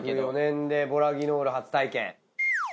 小学４年でボラギノール初体験。